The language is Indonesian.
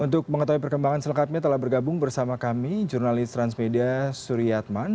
untuk mengetahui perkembangan selengkapnya telah bergabung bersama kami jurnalis transmedia suryatman